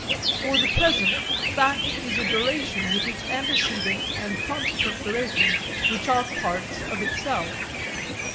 For the present fact is a duration with its antecedent and consequent durations which are parts of itself.